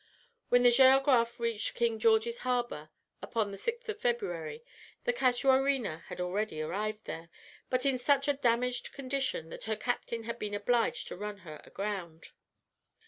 When the Géographe reached King George's Harbour upon the 6th of February, the Casuarina had already arrived there, but in such a damaged condition that her captain had been obliged to run her aground.